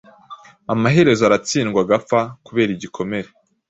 Amaherezo aratsindwa agapfa kubera igikomere